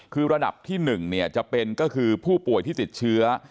คือระดับที่๑จะเป็นก็คือผู้ป่วยที่ติดเชื้อ